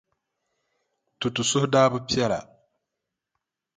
Tutu suhu daa bi piɛla.